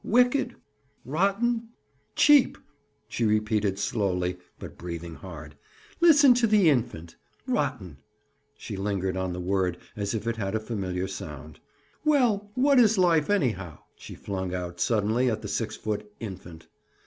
"'Wicked!' 'Rotten!' 'Cheap!'" she repeated slowly, but breathing hard. "Listen to the infant! 'Rotten!'" She lingered on the word as if it had a familiar sound. "Well, what is life, anyhow?" she flung out suddenly at the six foot "infant."